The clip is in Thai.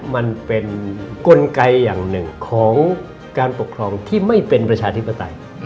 มันเป็นกลไกอย่างหนึ่งของการปกครองที่ไม่เป็นประชาธิปไตย